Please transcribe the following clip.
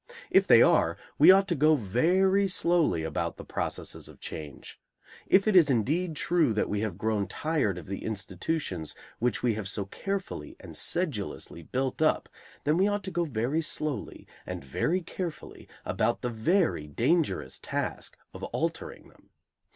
If they are, we ought to go very slowly about the processes of change. If it is indeed true that we have grown tired of the institutions which we have so carefully and sedulously built up, then we ought to go very slowly and very carefully about the very dangerous task of altering them.